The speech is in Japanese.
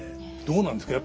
どうなんですか？